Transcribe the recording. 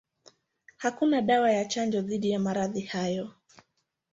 Hakuna dawa ya chanjo dhidi ya maradhi hayo.